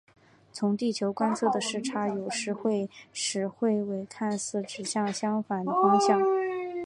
从地球观测的视差有时会使彗尾看似指向相反的方向。